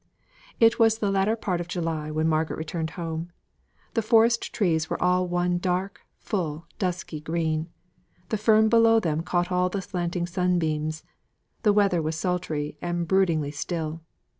It was the latter part of July when Margaret returned home. The forest trees were all one dark, full, dusky green; the fern below them caught all the slanting sunbeams; the weather was sultry and broodingly still.